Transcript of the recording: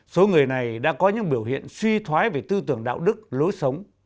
số người này đã có những biểu hiện suy thoái về tư tưởng đạo đức lối sống